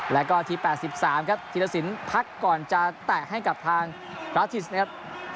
แล้วก็ที๘๓ครับธีรสินพักก่อนจะแตะให้กับทางบราทิสนะครับ